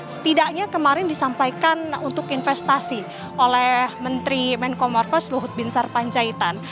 setidaknya kemarin disampaikan untuk investasi oleh menteri menko marves luhut bin sarpanjaitan